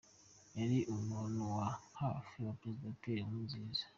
Yari umuntu wa hafi wa Perezida Pierre Nkurunziza.